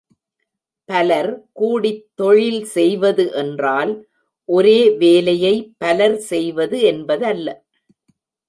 பலர், கூடித் தொழில் செய்வது என்றால் ஒரே வேலையை பலர்செய்வது என்பதல்ல.